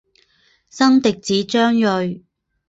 生嫡子张锐。